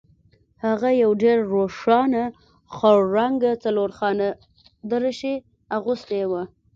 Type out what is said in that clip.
هغه یو ډیر روښانه خړ رنګه څلورخانه دریشي اغوستې وه